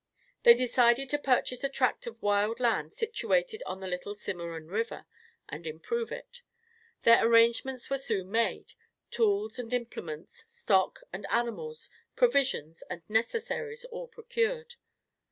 They decided to purchase a tract of wild land situated on the little Cimeron River, and improve it. Their arrangements were soon made, tools and implements, stock and animals, provisions and necessaries all procured.